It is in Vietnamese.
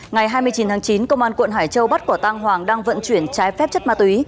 ngày hai mươi chín tháng chín công an quận hải châu bắt quả tang hoàng đang vận chuyển trái phép chất ma túy